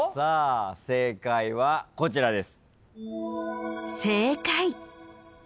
正解はこちらです。